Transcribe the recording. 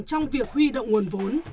trong việc huy động nguồn vốn